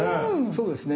そうですね。